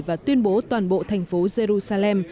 và tuyên bố toàn bộ thành phố jerusalem